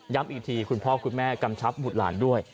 อีกทีคุณพ่อคุณแม่กำชับบุตรหลานด้วย